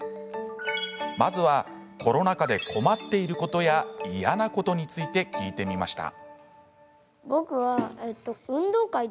まずは、コロナ禍で困っていることや嫌なことについて聞いてみました。